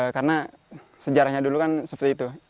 karena sejarahnya dulu kan seperti itu